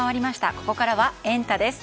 ここからはエンタ！です。